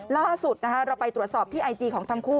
ล่าสุดเราไปตรวจสอบที่ไอจีของทั้งคู่